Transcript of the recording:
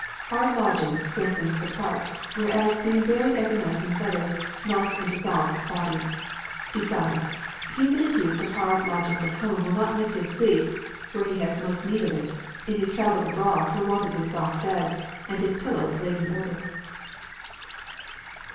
Hard Lodging strengthens the Parts, whereas being buryed every Night in Feathers melts and dissolves the Body.... Besides, he that is used to hard Lodging at Home will not miss his Sleep (where he has most Need of it) in his travels Abroad for want of his soft Bed, and his Pillows laid in Order."